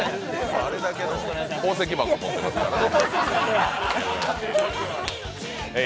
あれだけの宝石箱持ってますからね。